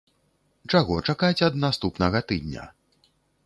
Чаго чакаць ад наступнага тыдня?